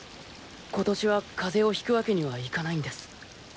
今年は風邪を引くわけにはいかないんです。